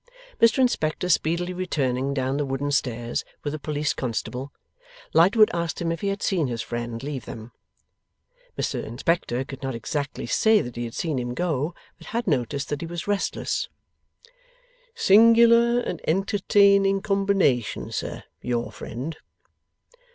Mr Inspector speedily returning down the wooden stairs, with a police constable, Lightwood asked him if he had seen his friend leave them? Mr Inspector could not exactly say that he had seen him go, but had noticed that he was restless. 'Singular and entertaining combination, sir, your friend.